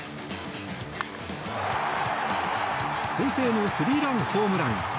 先制のスリーランホームラン。